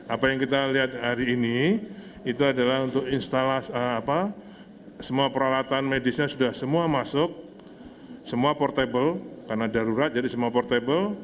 apa yang kita lihat hari ini itu adalah untuk instalasi semua peralatan medisnya sudah semua masuk semua portable karena darurat jadi semua portable